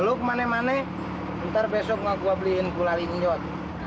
lo kemana mana ntar besok gak gua beliin gula linjot